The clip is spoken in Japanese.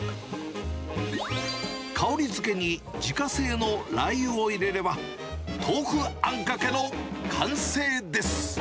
香りづけに自家製のラー油を入れれば、豆腐あんかけの完成です。